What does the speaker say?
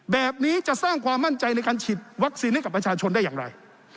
แบบนี้จะสร้างความมั่นใจในการฉีดวัคซีนให้กับประชาชนได้อย่างไร